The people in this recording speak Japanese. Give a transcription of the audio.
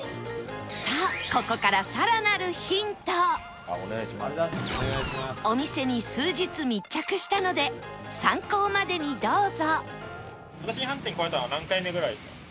さあここからお店に数日密着したので参考までにどうぞ